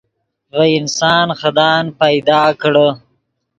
ڤے انسان خدان پیدا کڑے